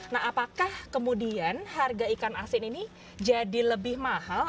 nah apakah kemudian harga ikan asin ini jadi lebih mahal